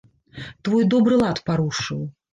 Твой добры лад парушыў.